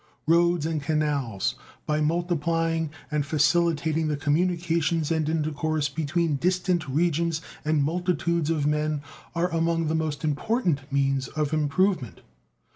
Roads and canals, by multiplying and facilitating the communications and intercourse between distant regions and multitudes of men, are among the most important means of improvement.